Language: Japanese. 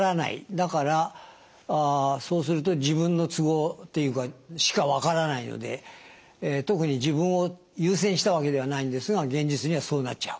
だからそうすると自分の都合しかわからないので特に自分を優先したわけではないんですが現実にはそうなっちゃう。